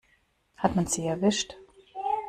Hat man sie erwischt?